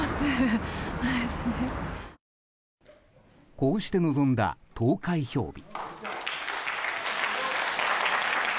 こうして臨んだ投開票日。